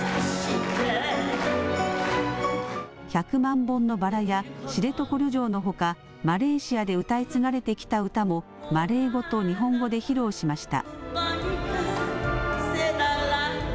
百万本のバラや知床旅情のほかマレーシアで歌い継がれてきた歌もマレー語と日本語で披露しました。